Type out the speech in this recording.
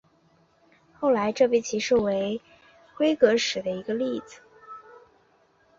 后来这被视为是辉格史的一个例子。